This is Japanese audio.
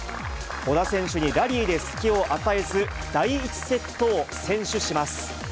小田選手にラリーで隙を与えず、第１セットを先取します。